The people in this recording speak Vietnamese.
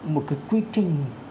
một cái quy trình